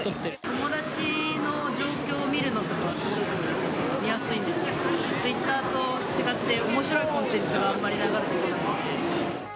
友達の状況を見るのとかはすごい見やすいんですけど、ツイッターと違って、おもしろいコンテンツがあんまり流れてこないので。